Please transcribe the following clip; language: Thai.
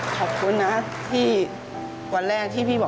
ขอบคุณจริง